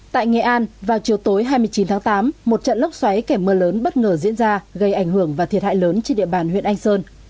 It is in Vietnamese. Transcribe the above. tại nghệ an vào chiều tối hai mươi chín tháng tám một trận lốc xoáy kèm mưa lớn bất ngờ diễn ra gây ảnh hưởng và thiệt hại lớn trên địa bàn huyện anh sơn